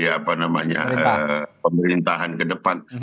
apa namanya pemerintahan ke depan